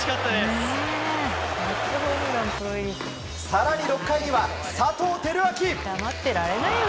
更に６回には佐藤輝明。